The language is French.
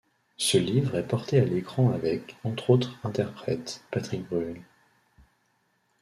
Ce livre est porté à l'écran avec, entre autres interprètes, Patrick Bruel.